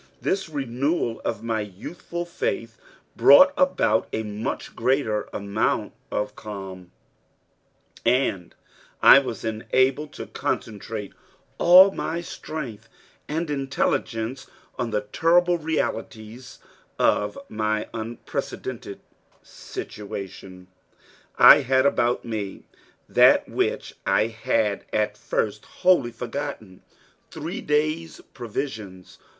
This renewal of my youthful faith brought about a much greater amount of calm, and I was enabled to concentrate all my strength and intelligence on the terrible realities of my unprecedented situation. I had about me that which I had at first wholly forgotten three days' provisions.